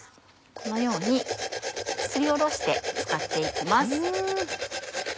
このようにすりおろして使って行きます。